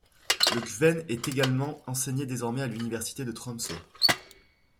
Le kvène est également enseigné désormais à l'Université de Tromsø.